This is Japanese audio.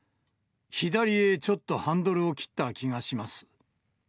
左へちょっとハンドルを切った気がします。